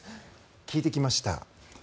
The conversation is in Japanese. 聞いてきました。